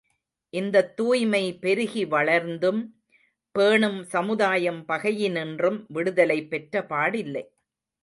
இந்தத் துய்மை பெருகி வளர்ந்தும், பேணும் சமுதாயம் பகையினின்றும் விடுதலை பெற்றபாடில்லை.